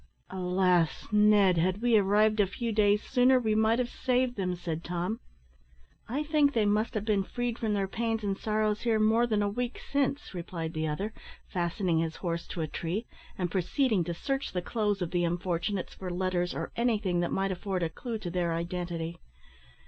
"Alas! Ned, had we arrived a few days sooner we might have saved them," said Tom. "I think they must have been freed from their pains and sorrows here more than a week since," replied the other, fastening his horse to a tree, and proceeding to search the clothes of the unfortunates for letters or anything that might afford a clue to their identity.